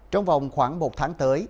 trong vòng khoảng một tháng tới